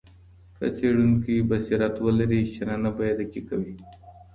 که څېړونکی بصیرت ولري شننه به یې دقیقه وي.